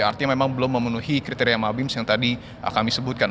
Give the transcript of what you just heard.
artinya memang belum memenuhi kriteria mabims yang tadi kami sebutkan